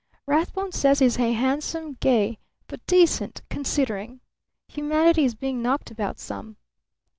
"Rathbone says he's handsome, gay, but decent, considering. Humanity is being knocked about some.